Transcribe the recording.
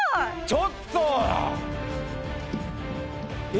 ちょっと！え？